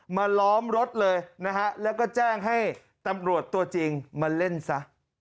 ล้อมรถเลยนะฮะแล้วก็แจ้งให้ตำรวจตัวจริงมาเล่นซะ